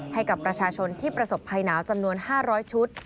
ให้กับประชาชนที่ประสบภัยหนาวจำนวน๕๐๐ชุด